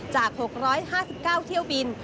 จาก๖๕๙เที่ยวบิน